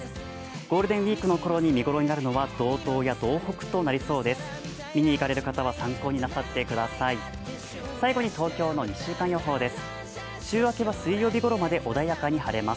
ゴールデンウィークの頃に見頃になるのは道東や道北となる予想です。